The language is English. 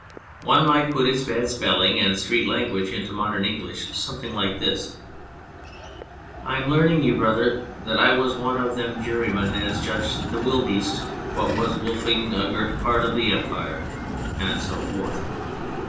One might put its bad spelling and street language into modern English something like this :" I'm learning you, brother, that I was one of them jurymen as judged the wilbeast what was wolfing a gurt part of the empire." And so forth.